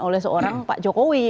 oleh seorang pak jokowi